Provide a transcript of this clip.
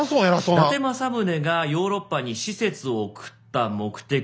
伊達政宗がヨーロッパに使節を送った目的。